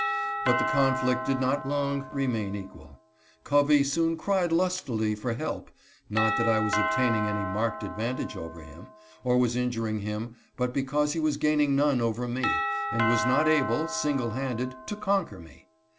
But the conflict did not long remain equal. Covey soon cried lustily for help ; not that I was obtain ing any marked advantage over him, or was injuring him. but because he was gaining none over me, and was not able, single handed, to conquer me.